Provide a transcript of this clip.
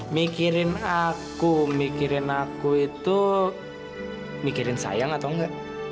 mikirin aku mikirin aku itu mikirin sayang atau enggak